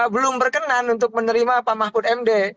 belum berkenan untuk menerima pak mahfud md